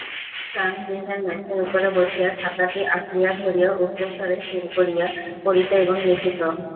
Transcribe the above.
শয়নগৃহের মেঝের উপরে বসিয়া খাতাটি আঁকড়িয়া ধরিয়া উচ্চৈঃস্বরে সুর করিয়া পড়িত এবং লিখিত।